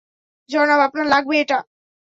জনাব, আপনার লাগবে এটা?